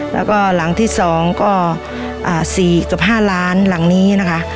แล้วก็หลังที่สองก็อ่าสี่กับห้าร้านหลังนี้นะคะ